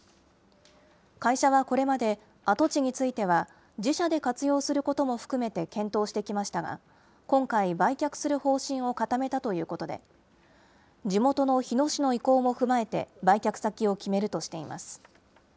会社はこれまで跡地については自社で活用することも含めて検討してきましたが、今回、売却する方針を固めたということで、地元の日野市の意向も踏まえて売却先を決めるとしています。